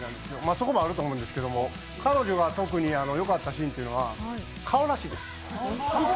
そこもあると思うんですけど、彼女が特によかったシーンというのは顔らしいです。